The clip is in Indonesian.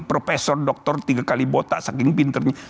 profesor doktor tiga kali botak saking pinternya